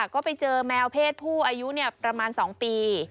ก็ไปเจอแมวเพศผู้อายุประมาณ๒ปี